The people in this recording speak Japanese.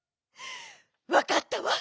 わかったわ。